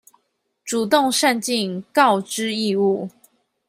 主動善盡告知義務